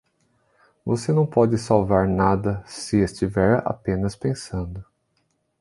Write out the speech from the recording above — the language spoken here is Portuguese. Você não pode salvar nada se estiver apenas pensando.